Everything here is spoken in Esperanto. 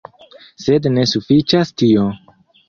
Sed ne sufiĉas tio.